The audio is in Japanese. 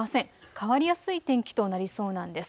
変わりやすい天気となりそうなんです。